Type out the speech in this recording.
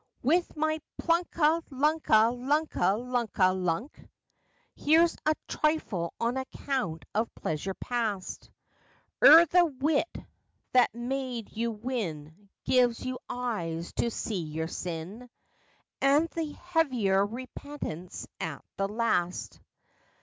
With my "Plunka lunka lunka lunka lunk!" Here's a trifle on account of pleasure past, Ere the wit that made you win gives you eyes to see your sin And the heavier repentance at the last.